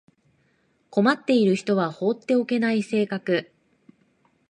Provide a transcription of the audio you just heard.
困っている人は放っておけない性格